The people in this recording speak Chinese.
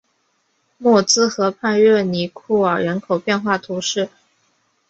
默兹河畔热尼库尔人口变化图示